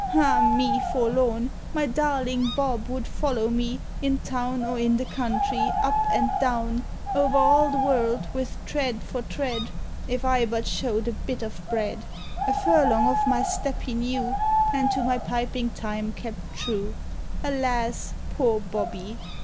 Ah! me, forlorn! My darling Bob would follow me, In town or in the country, up and down, O'er all the world, with tread for tread, If I but showed a bit of bread. A furlong off my step he knew, And to my piping time kept true. Alas! poor Bobby!"